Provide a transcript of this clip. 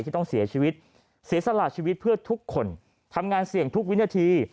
ที่ต้องเสียชีวิตเสียสละชีวิตเพื่อทุกคนทำงานเสี่ยงทุกวินาที